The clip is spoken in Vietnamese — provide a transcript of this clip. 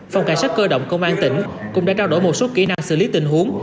phòng cảnh sát cơ động công an tỉnh cũng đã trao đổi một số kỹ năng xử lý tình huống